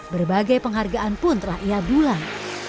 berbagai penghargaan pun telah ia dulang